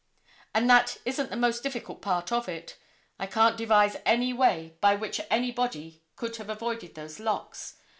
And that isn't the most difficult part of it. I can't devise any way by which anybody could have avoided those locks.